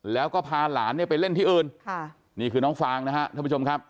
แล้วก็พาหลานเนี่ยไปเล่นที่อื่นค่ะนี่คือน้องฟางนะฮะท่านผู้ชมครับ